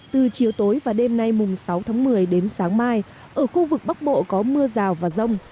từ chiều tối và đêm nay mùng sáu tháng một mươi đến sáng mai ở khu vực bắc bộ có mưa rào và rông